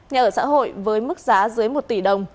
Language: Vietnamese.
nhà ở xã hội với mức giá dưới một tỷ đồng